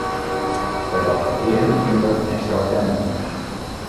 Hja docht de eagen iepen en sjocht him oan.